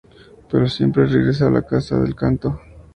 Pero siempre regresa a la Casa del Canto.